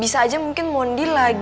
saya belum sedia